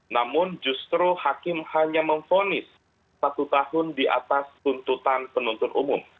namun justru hakim hanya memfonis satu tahun di atas tuntutan penuntut umum